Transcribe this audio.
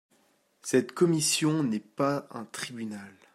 Cette commission n’est pas un tribunal.